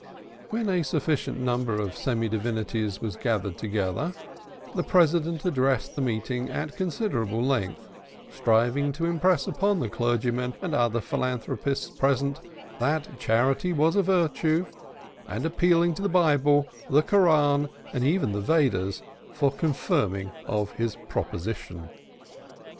When a sufficient number of semi divinities was gathered together, the President addressed the meeting at considerable length, striving to impress upon the clergymen and other philanthropists present that charity was a virtue, and appealing to the Bible, the Koran, and even the Vedas, for confirmation of his proposition.